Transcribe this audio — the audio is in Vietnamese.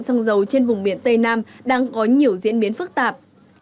xăng dầu trên vùng biển tây nam đang có nhiều diễn biến phức tạp